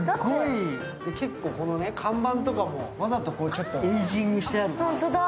結構この看板とかも、わざとこうエイジングしてあるの。